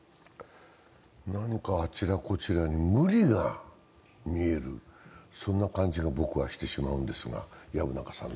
何かあちらこちらに無理が見える、そんな感じが僕はしてしまうんですが。